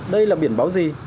đây là biển báo gì